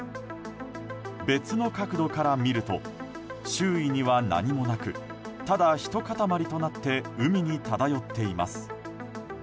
別の角度から見ると周囲には何もなくただ、ひと塊となって海に漂っています。